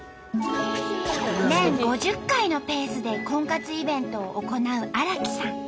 年５０回のペースで婚活イベントを行う荒木さん。